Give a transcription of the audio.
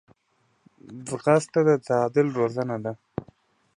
ځغاسته د تعادل روزنه ده